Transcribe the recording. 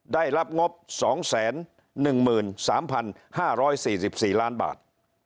ได้รับงบ๒๑๓๕๔๔ล้านบาท